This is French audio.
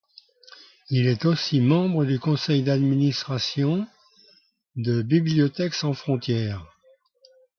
Il est aussi membre du Conseil d’Administration de Bibliothèques Sans Frontières.